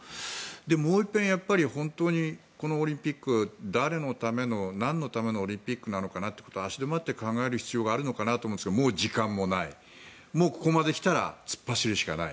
もう一遍本当にこのオリンピック誰のための、なんのためのオリンピックなのかなと立ち止まって考える必要があると思うんですがもう時間もない、ここまで来たら突っ走るしかない。